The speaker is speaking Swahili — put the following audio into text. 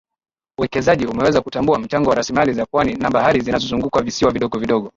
Uwekezaji umeweza kutambua mchango wa rasilimali za pwani na baharini zinazozunguka visiwa vidogo vidogo